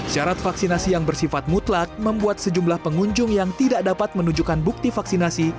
syarat vaksinasi yang bersifat mutlak membuat sejumlah pengunjung yang tidak dapat menunjukkan bukti vaksinasi